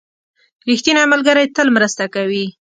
• ریښتینی ملګری تل مرسته کوي.